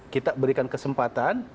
kita berikan kesempatan